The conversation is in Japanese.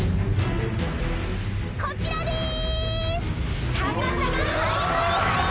こちらです！